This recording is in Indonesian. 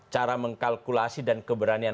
cara mengkalkulasi dan keberanian